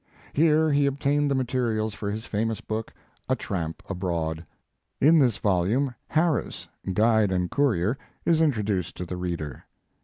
Here he obtained the materials for his famous book, "A Tramp Abroad." In this volume " Harris" guide and courier, is introduced to the reader.